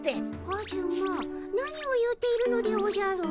カジュマ何を言うているのでおじゃる？